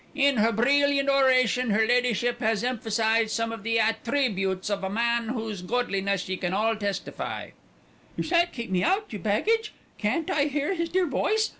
In her breeliant oration her Leddyship has emphasised some of the attreebutes of a man whose godliness ye can all testify " "You shan't keep me out, you baggage. Can't I hear his dear voice!